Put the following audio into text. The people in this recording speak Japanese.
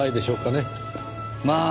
まあ